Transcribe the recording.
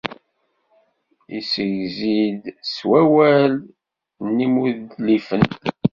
Yessegzi-d s wallal n yimudlifen.